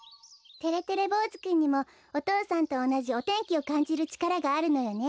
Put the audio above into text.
てれてれぼうずくんにもお父さんとおなじお天気をかんじるちからがあるのよね。